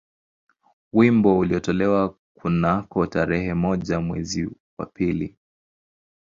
Wimbo ulitolewa kunako tarehe moja mwezi wa pili